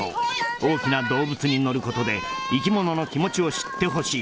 大きな動物に乗ることで生き物の気持ちを知ってほしい。